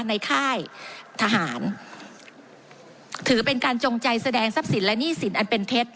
ค่ายทหารถือเป็นการจงใจแสดงทรัพย์สินและหนี้สินอันเป็นเท็จ